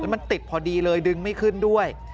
มันติดพอดีเลยดึงไม่ขึ้นด้วย